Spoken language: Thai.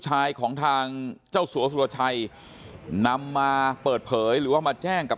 ชายของทางเจ้าสัวสุรชัยนำมาเปิดเผยหรือว่ามาแจ้งกับ